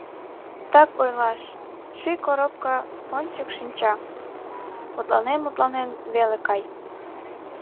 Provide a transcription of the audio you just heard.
Так ойлаш, шӱй коропка ончык шинча, мутланен-мутланен веле кай.